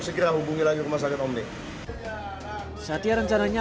supaya tahu penyebab ketumbuhannya itu kenapa dan bisa ditemukan solusinya